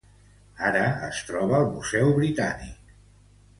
Ara, es troba al Museu Britànic.